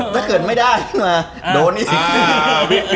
ถ้าเกิดไม่ได้มาโดนอีก